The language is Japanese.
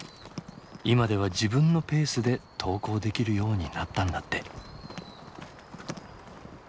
今では自分のペースで登校できるようになったんだって。